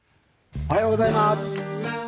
おはようございます。